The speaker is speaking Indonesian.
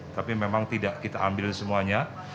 tapi memang tidak kita ambil semuanya